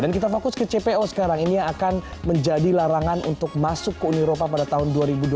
dan kita fokus ke cpo sekarang ini yang akan menjadi larangan untuk masuk ke uni eropa pada tahun dua ribu dua puluh